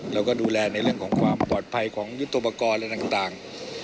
เราก็ดูแลในเรื่องของความปลอดภัยของยุทธปกรณ์อะไรต่าง